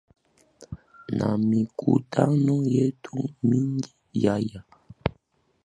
na mikutano yetu mingi ya ya